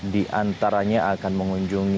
di antaranya akan mengunjungi